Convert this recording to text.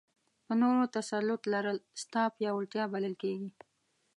په نورو تسلط لرل ستا پیاوړتیا بلل کېږي.